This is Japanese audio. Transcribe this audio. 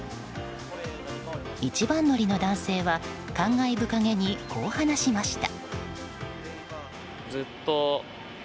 一番乗りの男性は感慨深げにこう話しました。